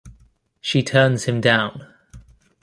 She turns him down.